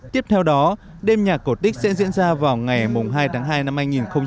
tiếp theo đó đêm nhạc cổ tích sẽ diễn ra vào ngày hai tháng hai năm hai nghìn hai mươi